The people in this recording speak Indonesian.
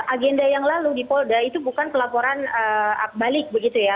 agenda yang lalu di polda itu bukan pelaporan balik begitu ya